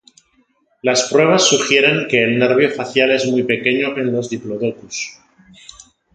Las pruebas sugieren que el nervio facial es muy pequeño en los "Diplodocus".